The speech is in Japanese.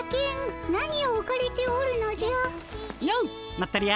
まったり屋。